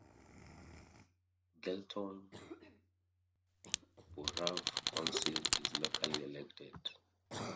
Galeton Borough Council is locally elected.